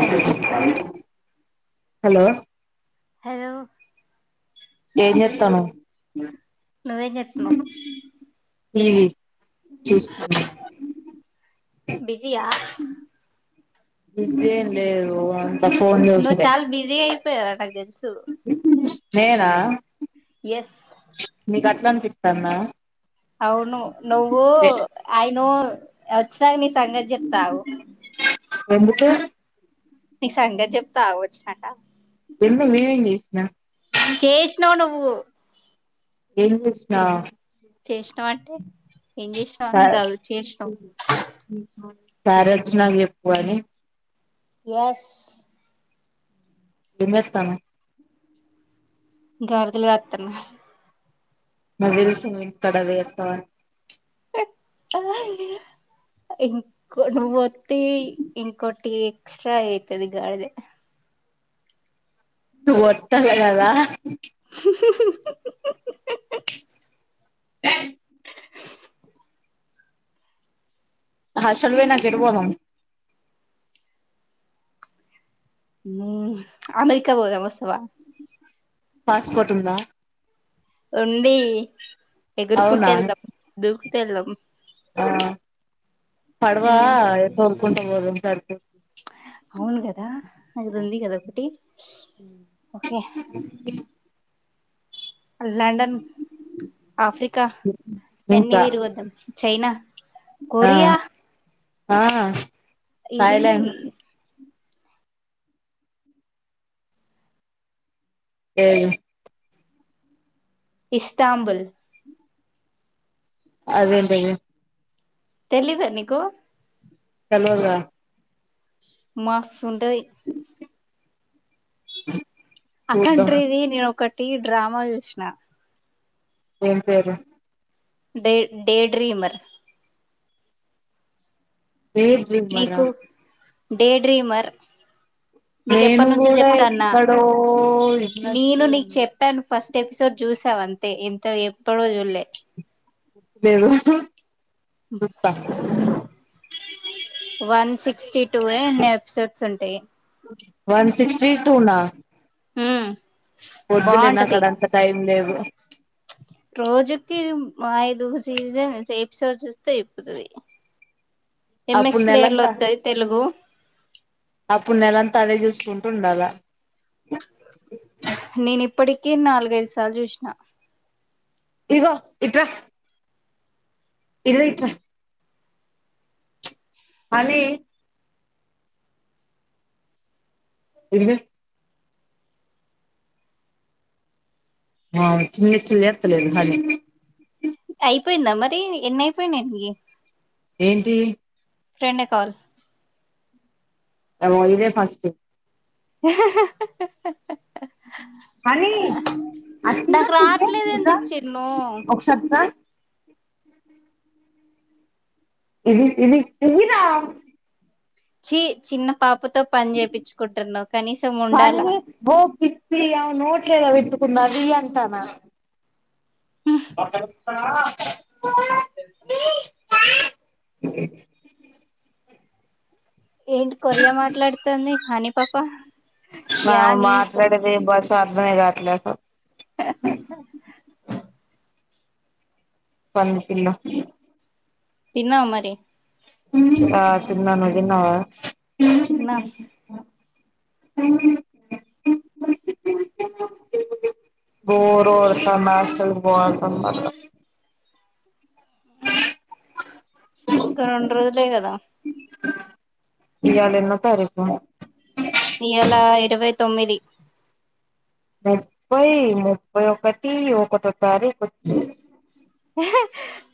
హల్ హ్ hello hello ఏం చేస్తున్నావ్ నువ్వేం చెప్తున్నావు ఈ చూస్తునన బిజీయా బీసీ ఎం లేదు ఆన్ నువ్వు చాలా బిజీ అయిపోయవ్ నాకు తెలుసు నేనా ఎస్ నీకు గట్ల అనిపితందా అవును నవ్వు ఆయనో ఎ సాయి నీ సంగతి చెప్తా ఆగు ఎందుకు నీ సంగతి చెప్తా ఆగు వచ్చినాక ఎందు నేనేం జేసిన కువ్ ఏం చేసిన చేసినవ్ అంటే ఏం చేసినావు స అని కాదు చేసినావు సార్ వచ్చినాక చెప్పు అని ఎస్ ఎలోథమే గాదులు గాతున్నా నాకు తెలుసు నువ్వు ఇక్కడ వెతవని ఇంక నువ్వో టీ ఇంకో టి ఎక్స్ట్రా అయితది గాడిద దు ఓత్తది గదా హాస్టల్ కి పోయినక ఎట్టు పోదాం ను అమెరికా పోదాం వస్తావా పాస్పోర్ట్ ఉందా ఉంది ఎగుర్కొంటు అవునా వెళ్దాం దూ తెల్వం ఆ పడవ ఉమ్ తోలుకుంటొ [unintelligible] అవును కదా అది ఉంది కదా ఒకటి ఓకే లండన్ ఆఫ్రికా ఈయని ఇంకా తిరుగుదాం చైనా ఆ కొరియా ఆ ఇది థాయిలాండ్ ఏ ది ఇస్తాంబుల్ అదేంటది తెలిద నీకు తెలువదుగా మస్ చూద్దాం అకండ్రిీది నేను ఒక టీ డ్రామా చుసినా ఏం పేరు day day dreamer dry dreamer ఆ డేడ్రీమర్ నేను కూడా ఎక్కడో ఇట్లా నేను నీకు చెప్పాను ఫస్ట్ ఎపిసోడ్ చూసావ్ అంతే ఎంత ఎప్పుడు చుడాలె లేరు వన్ సిక్స్టీ టువ ఎన్ని ఎపిసోడ్స్ ఉంటాయి జీ తునా హమ్ వద్దులే నాక్కడంత టైమ్ లేదు రోజకి ఐదు చీ జె చిప్స్ చూస్తయి పతుంది అప్పుడు ఎంఎక్స్ ప్లేయర్ లో నెలంతా వస్తంది తెలుగు అప్పుడు నెలంతా అదే చూసుకుంటూ ఉండాల నేను ఇప్పటికే నాలుగైదుసార్లు చూసిన ఇగో ఇట్రా ఇల్ల ఇట్రా హనీ [unintelligible] ఆ చిల్న్న చిల్లి ఎత్తలేదు హనీ అయిపోయిందా మరి నీకు ఎన్న అయిపోయినాయి నీకి ఏంటి రెండే కాల్ ఎ మ ఇద ఫస్ట్ కానీ అ తీగా నాకు తింటే రావట్లేదు ఇ ఎందుకు చిన్ను ఔషత్ ఇది ఇది ఇయ్యూరా చి చిన్న పాపతో పని చేపించుకుంటున్నావు కనీసం ఉండాలా పన్నీ పో పిచ్చి అ నోట్ల ఎదా విట్ ఉన్నది అంటానా ఏంటి కొరియా మాట్లాడుతుంది హానీ పాప యా ఆమె నీ తో మాట్లాడేది [inaudible] హా హా పందు కిలో తిన్నావ మరి ఆ తిన్న నువ్వుతిన్నావా చిన్న బోర్ కొడుతుంది హాస్టల్ కి పోవాలి తొందరగా ఇంకా రెండు రోజులే కదా ఈయల ఎన్నో తారీకు ఈయాల ఇరవై తొమ్మిది ముప్పై ముప్పై ఒకటి ఒకటో తారీఖ వో చే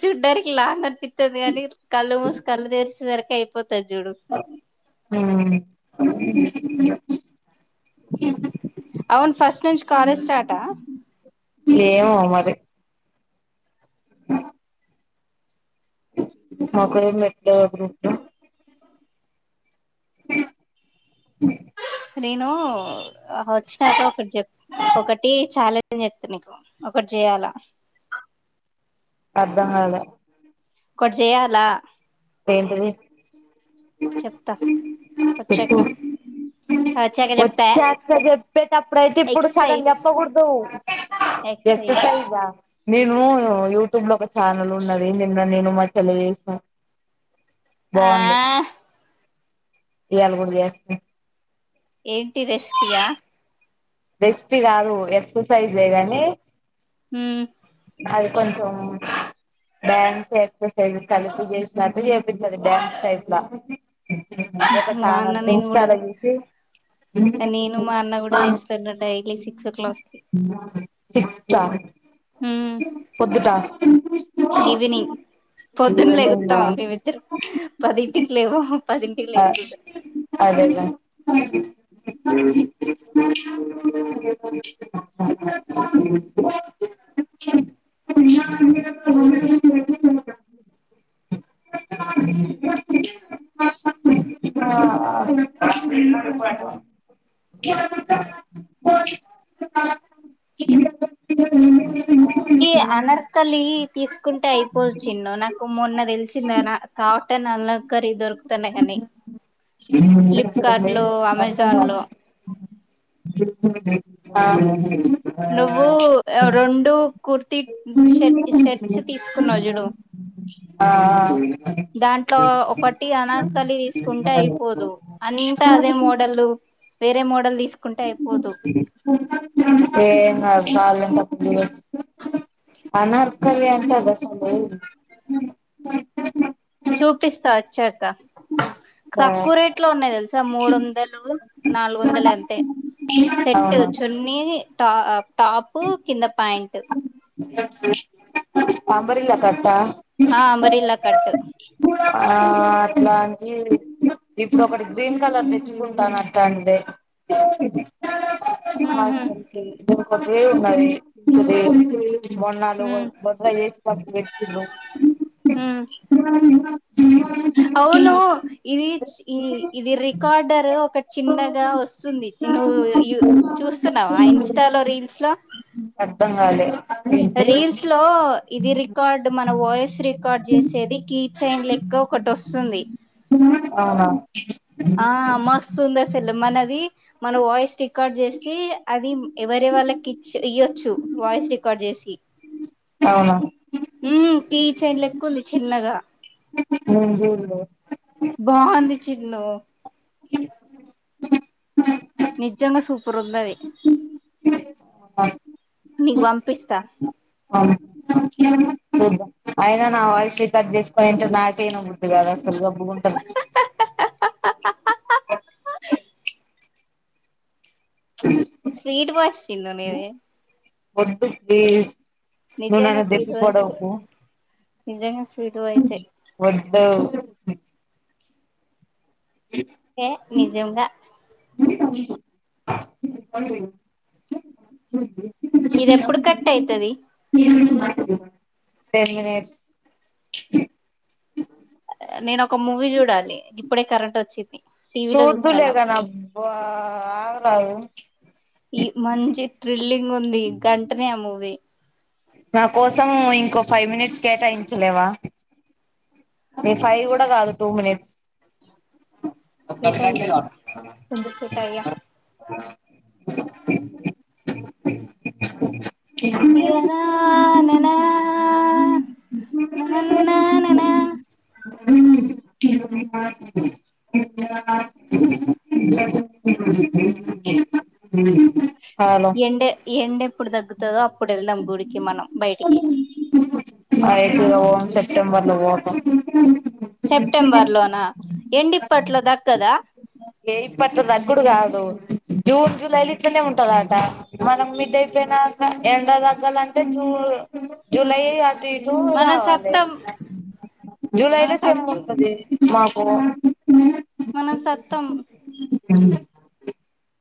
చూడ్డానికిలా నప్ప తుది అని కళ్లు మూసు కళ్ళు తెర్సిర కయిపో హ్మ్ అవును ఫస్ట్ నుంచి కాలేజ్ స్టాట ఏమో మరి మాకు ఏం మెట్డ లేదా గ్రూపు లో నేను వచ్చినాక ఒకటి చెప్ ఒకటి చాలా ఏం తు నికు ఒకటి చేయాలా అర్ధం కాలే ఒకటి చేయాలా ఏంటిది చెప్తా చెప్పు వచ్చాక వచ్చాక చెప్తా ఎక్సైజ్ ఎక్సైజ్ ఎక్సర్సైజ్ ఆ నేను యూట్యూబ్ లో ఒక ఛానల్ ఉన్నది నిన్న నేను మా చేలు చేసూకో ఆ బాగుంది ఇయలుగుడ చేస్తా ఏంటి రెసిపియా రెస్పీ కాదు ఎక్ససైజ్ గాని హమ్ అది కొంచెం డాన్స్ ఎక్ససైజ్ కలిపి చేసినట్టు చేపిత్తది డాన్స్ టైప్లా అదొక మా అన్న ఛానల్ నేను కూడా ఇన్స్టాలచుసి నేను మా అన్న కూడా చేస్తాడు daily six o'clock six క పొద్దుటా ఈవినింగ్ పొద్దున్న ఈవినింగ్ లెగుత్తం మేమిద్దరం పదింటికి లెవమ్ పదింటికి ఆ లేచి కూసుంటమ్ అదేలే ఆ ఆ పో ఈ అనర్థలి తీసుకుంటే అయిపోద్ చిన్ను నాకు మొన్న తెలిసింద కాబ అంటే నల్ కర్రీ దొరుకుతున్నాయి కాని ఫ్లిప్కార్ట్ లో అమెజాన్ లో హ నువ్వు రొండు కుర్తి చూడు ఆ దాంట్లో ఒకటి అనకలి తీసుకుంటే అయిపోదు అంతా అదే మోడల్ వేర మోడల్ తీ ఏంకాదు కాాల లే అనర్కవి అంతద చూపిస్తా వచ్చాక తక్కువ రేట్ లో ఉన్నాయి తెలుసు మొత్తం మూడొందలు నాలుగొందలు అంతే సెట్ అవునా చున్ని టాప్ టాపు కింద ప్యాంట్ అ అంబరిల కట్ట ఆ అంబరిలా కట్ ఆ అట్లా అ ఇప్పుడు ఒకటి గ్రీన్ కలర్ తెచ్చుకుంటాన అంటాంద్దె హాయ్ ఉహు స్వీటీ ఒకటే ఉన్నది బోనాలు ఉమ్ [unintelligible] చేసిండ్రు ఉమ్ అవును ఇది చి ఇది ఇది రికార్డర్ ఒక చిన్నగా వస్తుంది నువ్వు యూస్ చూస్తున్నావ ఆ ఇంస్టా లో రీల్స్ లో అర్థం కాలే ఏంటి రీల్స్ లో ఇది రికార్డ్ మన వాయిస్ రికార్డ్ చేసేది కీ చైన్ లెక్క ఒకటి వస్తుంది అవునా ఆ మస్తు ఉంద అస్సలు మనది మన వాయిస్ రికార్డ్ చేసి అది ఎవర వాళ్ళకి ఇచ్చ ఇయో చ్చు వాయిస్ రికార్డ్ చేసి అవునా హ కీ చైన్ లెక్కు ఉంది చిన్నగా ఎం చెయ్యల్ల బాగుంది చిన్ను నిజంగా సూపర్ ఉందది నీకు పంపిస్తా అవును చూద్దాం అయినా నా వాయిస్ రికార్డ్ చేసుకుని ఏ నా [unintelligible] బుడ్తే గాద అస్సల్ గబ్బుగుంటది. [inaudible] స్వీట్ గా వచ్చిందా మీది వద్దు ప్లీజ్ ను నాన్న దపి స్వీట్ వాయిస్ పోడవకు నిజంగా స్వీట్ వాయిసే వద్దు ఏ నిజంగా ఇది ఎప్పుడు కట్ అయితది టెన్ మినిట్స్ నేను ఒక మూవీ చూడాలి ఇప్పుడే కరెంట్ వచ్చింద్ సూద్దులేకనాబ్బా ఆగరాదు ఈ మంచి త్రి త్రిల్లింగ్ ఉంది గంటనే మూవీ నా కోసం ఇంకో ఫైవ్ మినిట్స్ కేటాయించలేవా ఏ ఫైవ్ కూడా కాదు టూ మినిట్స్ కేటాయిస్తా కొంచెం కేటాయ మినిట్స్ ఎనా నన్న నన్న నన్న హమ్ హమ్ ఎండ ఎండ ఎప్పుడు తగ్గుతుందో అప్పుడు వెళ్దాం గుడికి మనం బయటికి అయితే పోమ్ సెప్టెంబర్ లో పోతాం ఊ సెప్టెంబర్ లోనా ఎండిప్పట్లో దగ్గద ఏ ఇప్పట్లో తగ్గుడు కాదు జూన్ జూలైలు ఇట్నే ఉంటదట మనం మిడ్ అయిపోయినాక ఎండ దగ్గాల అంటే జూన్ జూలై అట్ తేజు మనం గావాలే సత్తం జులైలో మనం సేమ్ సత్తం ఉంటంది మాకు కూడ మనం సత్తం ఊ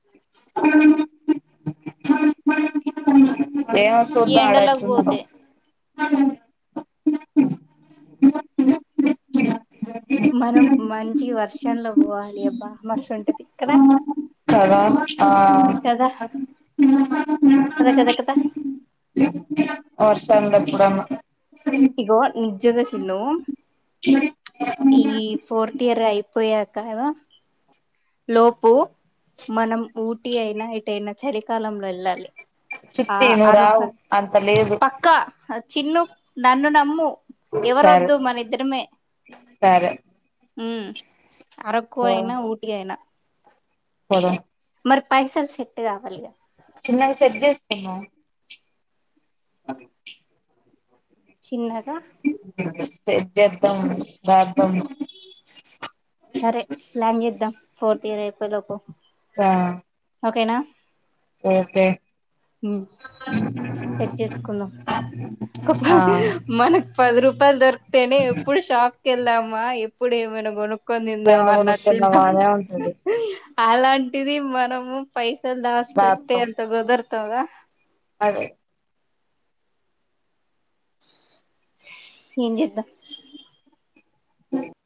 ఏమో ఈ సూద్దం ఆడ ఎండలోకి ఎట్లున్నదో పోతే మనం మంచి వర్షంలో పోవాలి అబ్బా మస్తు ఉంటది కదా కదా ఆ ఊ కద కద కదా వర్షంలో కూడను ఇగో నిజ్యంగ సున్ను ఈ ఫోర్త్ ఇయర్ అయిపోయాక్ కాయవా లోపు మనం ఊటీ అయినా ఇటైనా చలికాలంలో వెళ్ళాలి ఆ చిట్టి నువ్వు అరుక రావు అంత లేదు పక్కా చిన్ను నన్ను నమ్ము ఎవర సరే వద్దు మనిద్దరమే సరే ఉ అరకువయిన పోదాం. ఊట్ అయిన పోదాం మరి పైసలు సెట్ కావాలిగా చిన్నగా సెట్ చేసుకున్నాం అదే చిన్నగా సెట్ చేద్దం [unintelligible] సరే ప్లాన్ చేద్దాం ఫోర్త్ ఇయర్ అయిపొయ్యేలోపు ఓకేనా ఒకే సెట్ చేసుకుందాం ఆ మనకు పది రూపాయలు దొరికితేనే ఎప్పుడు షాప్ కెళ్ళామా ఎప్పుడు ఏమైనా కొనుక్ కొ తిందాం ఏమన్నా కొనుక్కున్నావా అన్నట్టుంటాం అనే ఉంటది అలాంటి ది మనము పైస తెల్దా దాస్ప పెట్టె రాత్తం అంత వె కదా అదే ఏంచేద్దాం